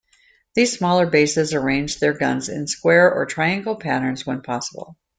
These smaller bases arranged their guns in square or triangle patterns when possible.